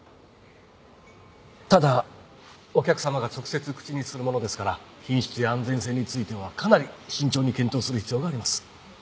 ただお客さまが直接口にするものですから品質や安全性についてはかなり慎重に検討する必要があります。